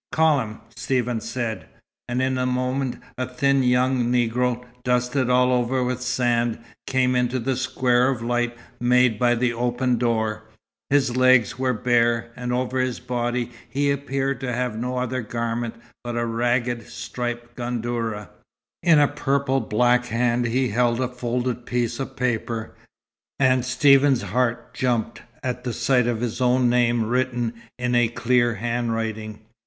"Call him," Stephen said. And in a moment a thin young Negro, dusted all over with sand, came into the square of light made by the open door. His legs were bare, and over his body he appeared to have no other garment but a ragged, striped gandourah. In a purple black hand he held a folded piece of paper, and Stephen's heart jumped at sight of his own name written in a clear handwriting.